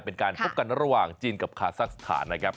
เป็นการพบกันระหว่างจีนกับคาซักสถานนะครับ